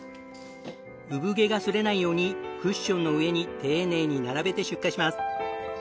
産毛がすれないようにクッションの上に丁寧に並べて出荷します。